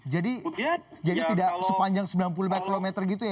jadi tidak sepanjang sembilan puluh lima km gitu ya